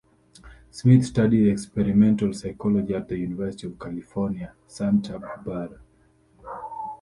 Smith studied experimental psychology at the University of California, Santa Barbara.